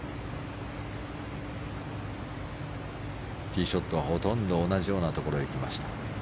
ティーショットはほとんど同じようなところへ行きました。